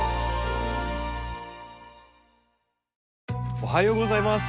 おはようございます。